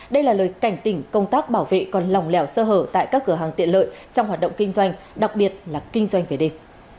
đây là lời cảnh tỉnh công tác bảo vệ còn lòng lẻo sơ hở tại các cửa hàng tiện lợi trong hoạt động kinh doanh đặc biệt là kinh doanh về đêm